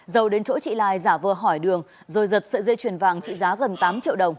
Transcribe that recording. dầu đến chỗ chị lài giả vờ hỏi đường rồi giật sợi dây chuyền vàng trị giá gần tám triệu đồng